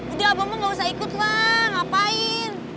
udah abah mau gak usah ikut lah ngapain